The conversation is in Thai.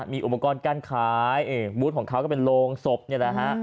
มีอุปกรณ์การขายบูธของเขาก็เป็นโรงศพนี่แหละฮะ